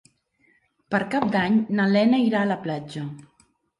Per Cap d'Any na Lena irà a la platja.